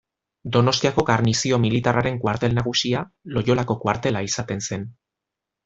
Donostiako garnizio militarraren kuartel nagusia Loiolako kuartela izaten zen.